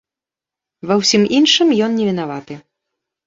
Ва ўсім іншым ён не вінаваты.